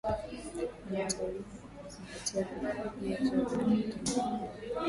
wanateuliwa kwa kuzingatia vigezo vya utendaji bora